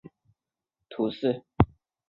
阿斯屈厄人口变化图示